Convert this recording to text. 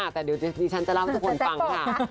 แต่เดี๋ยวดิฉันจะเล่าให้ทุกคนฟังค่ะ